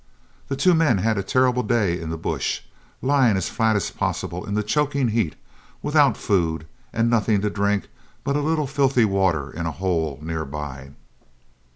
The two men had a terrible day in the bush, lying as flat as possible in the choking heat, without food and nothing to drink but a little filthy water in a hole near by.